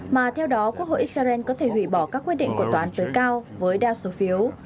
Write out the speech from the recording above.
mà theo đó quốc hội israel có thể hủy bỏ các quyết định của tòa án tối cao với đa số phiếu